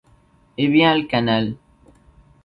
Eh bien, le canal ?